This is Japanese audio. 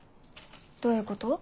どういうこと？